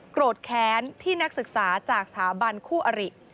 โกรธแค้นที่นักศึกษาจากสถาบันคู่อริ